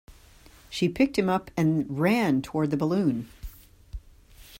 She picked him up and ran toward the balloon.